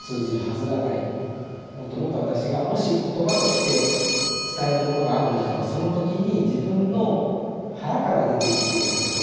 もっともっと私がもし言葉として伝えるものがあるならばその時に自分の腹から出てきている言葉